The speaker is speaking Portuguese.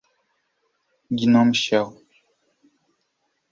gnome shell